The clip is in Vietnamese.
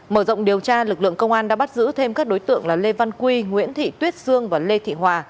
mở rộng điều tra lực lượng công an đã bắt giữ thêm các đối tượng là lê văn quy nguyễn thị tuyết sương và lê thị hòa